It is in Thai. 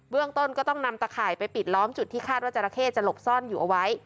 ต้นก็ต้องนำตะข่ายไปปิดล้อมจุดที่คาดว่าจราเข้จะหลบซ่อนอยู่เอาไว้